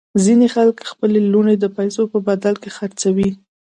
ځینې خلک خپلې لوڼې د پیسو په بدل کې خرڅوي.